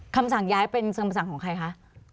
คำสั่งย้ายเป็นสมสั่งของใครคะ